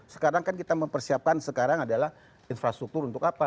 sekarang kan kita mempersiapkan sekarang adalah infrastruktur untuk apa